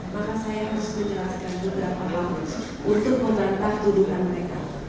maka saya harus menjelaskan beberapa hal untuk memantah tuduhan mereka